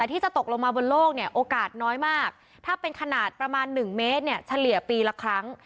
ที่จะตกลงมาบนโลกเนี่ยโอกาสน้อยมากถ้าเป็นขนาดประมาณ๑เมตรเนี่ยเฉลี่ยปีละครั้ง